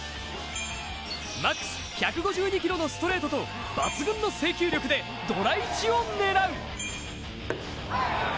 マックス１５２ｋｍのストレートと抜群の制球力でドラ１を狙う。